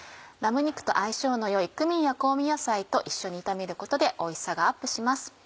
ラム肉と相性の良いクミンや香味野菜と一緒に炒めることでおいしさがアップします。